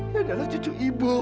dia adalah cucu ibu